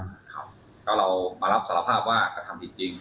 เราก็มารับสารภาพว่ากระทำจริง